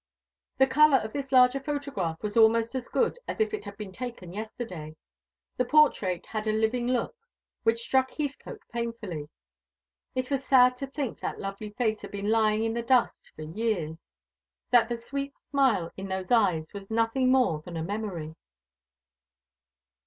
The colour of this larger photograph was almost as good as if it had been taken yesterday: the portrait had a living look, which struck Heathcote painfully. It was sad to think that lovely face had been lying in the dust for years that the sweet smile in those eyes was nothing more than a memory.